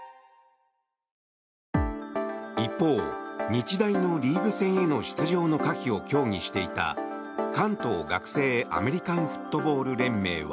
一方、日大のリーグ戦への出場の可否を協議していた関東学生アメリカンフットボール連盟は。